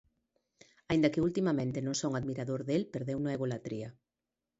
Aínda que ultimamente non son admirador del, perdeuno a egolatría.